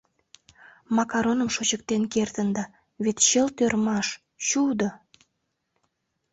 Макароным шочыктен кертында, вет чылт ӧрмаш, чудо!